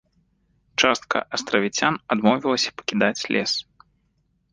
Частка астравіцян адмовілася пакідаць лес.